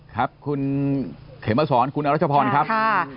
ครับคุณเขมสอนคุณอรัชพรครับ